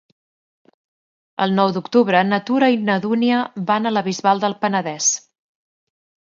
El nou d'octubre na Tura i na Dúnia van a la Bisbal del Penedès.